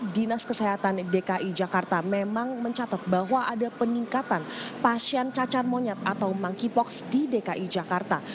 dinas kesehatan dki jakarta memang mencatat bahwa ada peningkatan pasien cacar monyet atau monkeypox di dki jakarta